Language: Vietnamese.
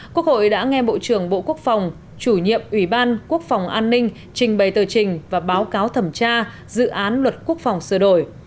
quốc hội đã nghe bộ trưởng bộ quốc phòng chủ nhiệm ủy ban quốc phòng an ninh trình bày tờ trình và báo cáo thẩm tra dự án luật quốc phòng sửa đổi